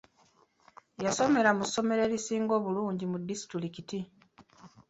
Yasomera mu ssomero erisinga obulungi mu disitulikiti.